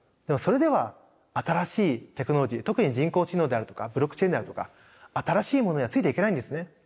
でもそれでは新しいテクノロジー特に人工知能であるとかブロックチェーンであるとか新しいものにはついていけないんですね。